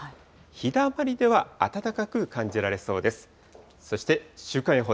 ひだまりでは暖かく感じられそうです。